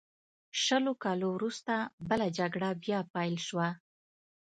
شلو کالو وروسته بله جګړه بیا پیل شوه.